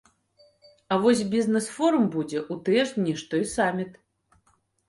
А вось бізнес-форум будзе ў тыя ж дні, што і саміт.